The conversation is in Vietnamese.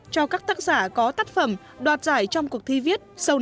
cho các tác giả có tác phẩm đoạt giải trong cuộc thi viết sâu nặng ân tình